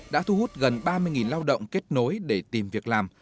đã thu hút gần ba mươi lao động kết nối để tìm việc làm